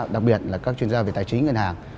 đặc biệt là các chuyên gia về tài chính ngân hàng